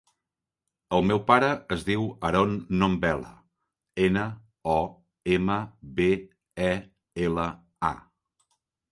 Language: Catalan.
El meu pare es diu Haron Nombela: ena, o, ema, be, e, ela, a.